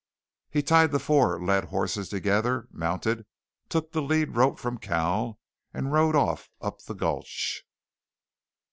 He tied the four led horses together, mounted, took the lead rope from Cal, and rode off up the gulch.